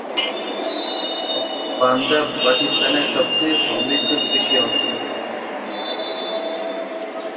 পাঞ্জাব পাকিস্তানের সবচেয়ে সমৃদ্ধ কৃষি অঞ্চল।